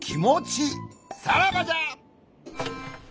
さらばじゃ！